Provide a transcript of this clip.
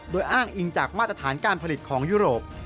โดยอ้างอิงจากมาตรฐานการผลิตของยุโรป